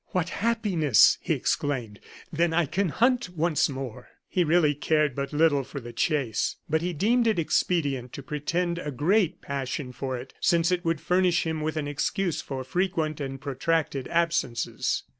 "What happiness!" he exclaimed; "then I can hunt once more!" He really cared but little for the chase; but he deemed it expedient to pretend a great passion for it, since it would furnish him with an excuse for frequent and protracted absences.